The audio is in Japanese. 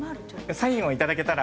サインをいただけたら。